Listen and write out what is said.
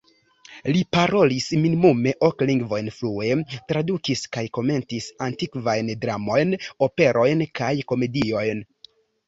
Li parolis minimume ok lingvojn flue, tradukis kaj komentis antikvajn dramojn, operojn kaj komediojn.